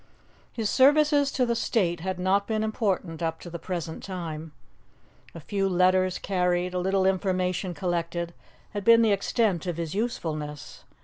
His services to the state had not been important up to the present time. A few letters carried, a little information collected, had been the extent of his usefulness.